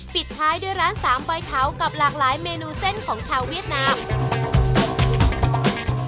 ปิดท้ายด้วยร้านสามไฟเถากับหลากหลายเมนูเส้นของชาวเวียดนาม